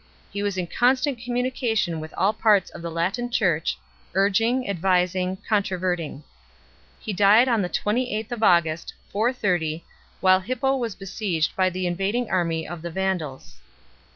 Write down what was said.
He was in constant communication with all parts of the Latin Church, urging, advising, controverting. He died on the 28th of August, 430, while Hippo was besieged by the invading army of the Vandals.